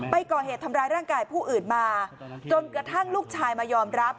ไปก่อเหตุทำร้ายร่างกายผู้อื่นมาจนกระทั่งลูกชายมายอมรับ